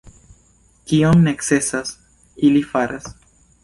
Kion necesas, ili faras.